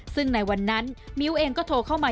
ซึ่งในวันนั้นมิ้วเองก็โทรเข้ามา